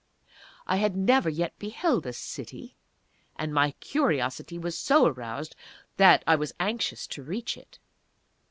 I had never yet beheld a city, and my curiosity was so aroused that I was anxious to reach it.